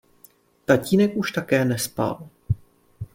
Tatínek už také nespal.